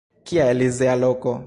Kia elizea loko!